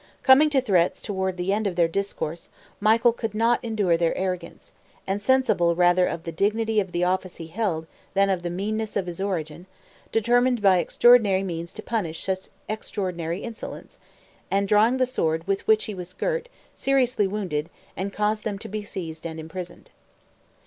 Coming to threats toward the end of their discourse, Michael could not endure their arrogance, and sensible rather of the dignity of the office he held than of the meanness of his origin, determined by extraordinary means to punish such extraordinary insolence, and drawing the sword with which he was girt, seriously wounded, and cause them to be seized and imprisoned.